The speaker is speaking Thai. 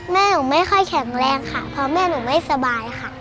แม่หนูไม่ค่อยแข็งแรงค่ะเพราะแม่หนูไม่สบายค่ะ